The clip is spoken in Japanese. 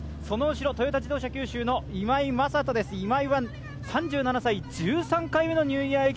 その後ろ、トヨタ自動車九州の今井正人です、今井は３７歳。